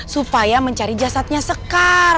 supaya mencari jasadnya sekar